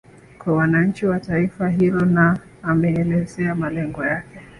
kwa wananchi wa taifa hilo na ameelezea malengo yake